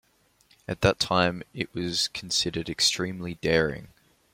At that time it was considered extremely daring.